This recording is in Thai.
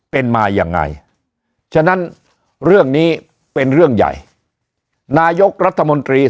เป็นมายังไงฉะนั้นเรื่องนี้เป็นเรื่องใหญ่นายกรัฐมนตรี